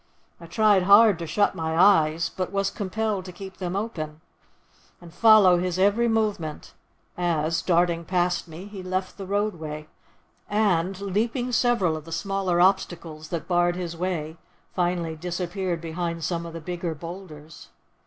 I tried hard to shut my eyes, but was compelled to keep them open, and follow his every movement as, darting past me, he left the roadway, and, leaping several of the smaller obstacles that barred his way, finally disappeared behind some of the bigger boulders.